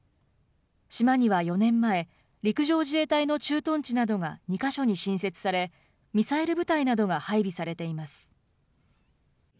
島には４年前、陸上自衛隊の駐屯地などが２か所に新設され、ミサイル部隊などが配備されています。